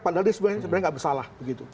pandalisme sebenarnya tidak bersalah begitu